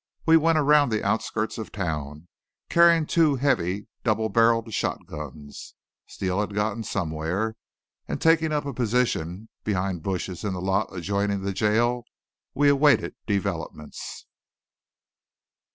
We went around the outskirts of town, carrying two heavy double barreled shotguns Steele had gotten somewhere and taking up a position behind bushes in the lot adjoining the jail; we awaited developments.